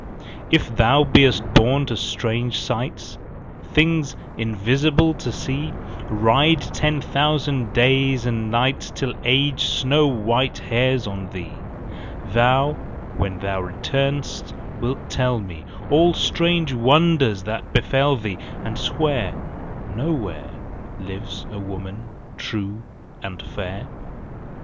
If thou be'st born to strange sights, 10 Things invisible to see, Ride ten thousand days and nights Till Age snow white hairs on thee; Thou, when thou return'st, wilt tell me All strange wonders that befell thee, 15 And swear No where Lives a woman true and fair.